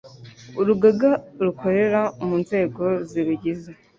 Urugaga rukorera mu nzego zirugize